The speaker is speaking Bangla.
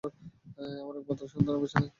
আমার একমাত্র সন্তান আর বেঁচে নাই!